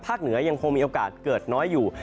เหนือยังคงมีโอกาสเกิดน้อยอยู่